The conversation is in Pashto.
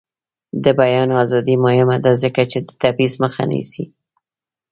د بیان ازادي مهمه ده ځکه چې د تبعیض مخه نیسي.